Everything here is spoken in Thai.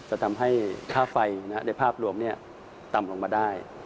จะทำให้ค่าไฟในภาพรวมต่ำลงมาได้